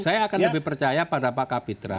saya akan lebih percaya pada pak kapitra